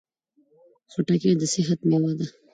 خټکی د صحت مېوه ده.